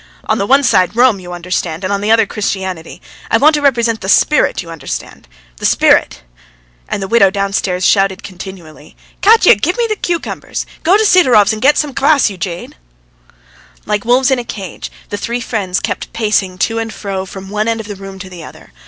On the one side Rome, you understand, and on the other Christianity. ... I want to represent the spirit, you understand? The spirit!" And the widow downstairs shouted continually: "Katya, give me the cucumbers! Go to Sidorov's and get some kvass, you jade!" Like wolves in a cage, the three friends kept pacing to and fro from one end of the room to the other.